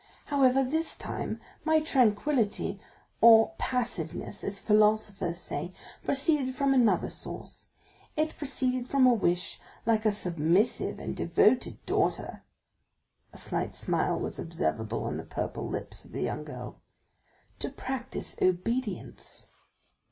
However, this time, my tranquillity, or passiveness as philosophers say, proceeded from another source; it proceeded from a wish, like a submissive and devoted daughter" (a slight smile was observable on the purple lips of the young girl), "to practice obedience."